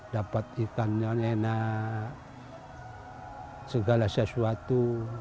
dapat ikan yang enak segala sesuatu